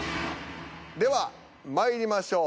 ではまいりましょう。